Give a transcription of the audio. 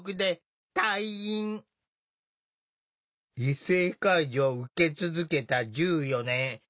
異性介助を受け続けた１４年。